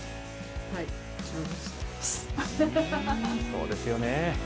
そうですよね。